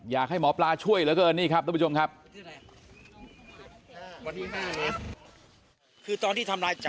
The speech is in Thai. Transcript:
อยากให้หมอปลาช่วยเหลือเกินนี่ครับทุกผู้ชมครับ